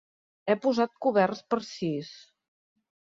He posat coberts per a sis.